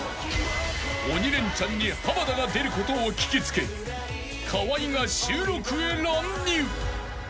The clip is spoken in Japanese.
［『鬼レンチャン』に濱田が出ることを聞き付け河合が収録へ乱入］